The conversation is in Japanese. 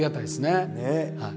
はい。